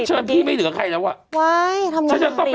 จะไม่เหลือใครแล้วค่ะจริง